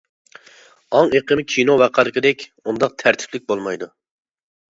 ئاڭ ئېقىمى كىنو ۋەقەلىكىدەك ئۇنداق تەرتىپلىك بولمايدۇ.